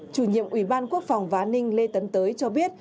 chủ nhiệm ủy ban quốc phòng vá ninh lê tấn tới cho biết